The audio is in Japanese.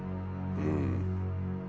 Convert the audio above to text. うん。